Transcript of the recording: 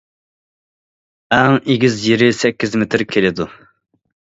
ئەڭ ئېگىز يېرى سەككىز مېتىر كېلىدۇ.